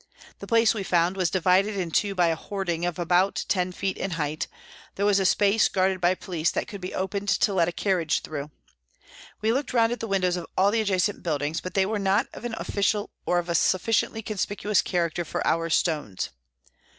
The place, we found, was divided in two by a hoarding of about ten feet in height ; there was a space, guarded by police, that could be opened to let a carriage through. We looked round at the windows of all the adjacent buildings, but they were not of an official or of a sufficiently conspicuous character for our stones.